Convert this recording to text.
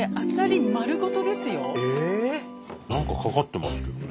何かかかってますけどね。